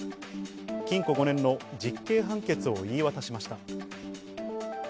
禁錮５年の実刑判決を言い渡しました。